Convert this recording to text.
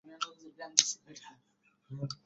ডঃ সাইদুর রহমান বহু কষ্টে রাগ সামলালেন।